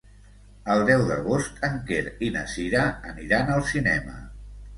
El deu d'agost en Quer i na Cira aniran al cinema.